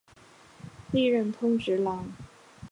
历任通直郎。